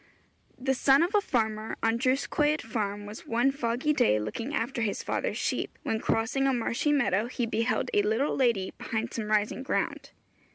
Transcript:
The son of a farmer on Drws Coed farm was one foggy day looking after his father's sheep, when crossing a marshy meadow he beheld a little lady behind some rising ground.